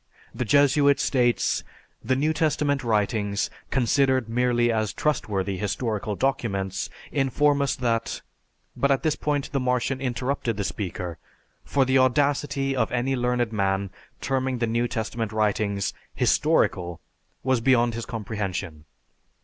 The Jesuit states, "The New Testament writings, considered merely as trustworthy historical documents, inform us that " but at this point the Martian interrupted the speaker, for the audacity of any learned man terming the New Testament writings "historical" was beyond his comprehension.